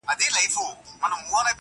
اسمان ليري، مځکه سخته.